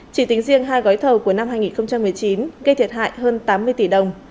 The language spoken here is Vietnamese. chỉ tính riêng hai gói thầu của năm hai nghìn một mươi chín gây thiệt hại hơn tám mươi tỷ đồng